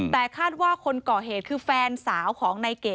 แต่คาดว่าคนก่อเหตุคือแฟนสาวของนายเก๋